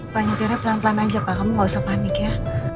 pancarnya pelan pelan aja pak kamu gak usah panik ya